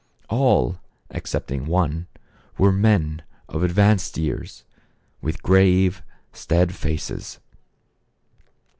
All, excepting one, were men of advanced years, with grave, staid faces.